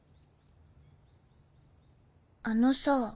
あのさ。